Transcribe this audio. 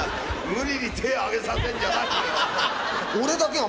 無理に手上げさせんじゃないよ。